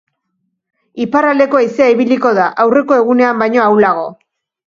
Iparraldeko haizea ibiliko da, aurreko egunean baino ahulago.